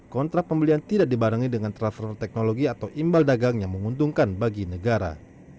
kontrak pembelian tidak dibarengi dengan transfer teknologi atau imbal dagang yang menguntungkan bagi negara